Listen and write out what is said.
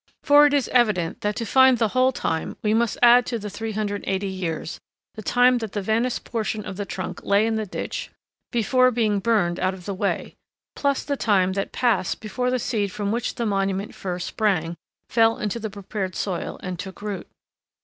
For it is evident that to find the whole time, we must add to the 380 years the time that the vanished portion of the trunk lay in the ditch before being burned out of the way, plus the time that passed before the seed from which the monumental fir sprang fell into the prepared soil and took root.